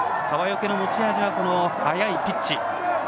川除の持ち味は早いピッチ。